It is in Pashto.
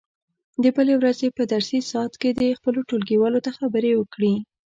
د بلې ورځې په درسي ساعت کې دې خپلو ټولګیوالو ته خبرې وکړي.